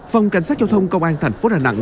phòng cảnh sát giao thông công an thành phố đà nẵng